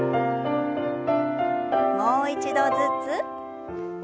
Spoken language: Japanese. もう一度ずつ。